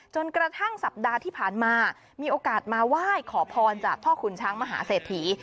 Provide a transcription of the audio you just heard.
จนกระทั่งสัปดาห์ที่ผ่านมามีโอกาสมาไหว้ขอพรจากพ่อขุนช้างมหาเศรษฐี